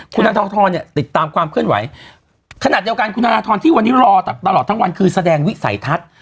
คุณธนทรเนี่ยติดตามความเคลื่อนไหวขนาดเดียวกันคุณธนทรที่วันนี้รอตลอดทั้งวันคือแสดงวิสัยทัศน์